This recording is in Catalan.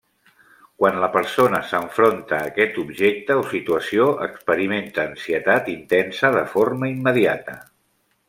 Quan la persona s'enfronta a aquest objecte o situació experimenta ansietat intensa de forma immediata.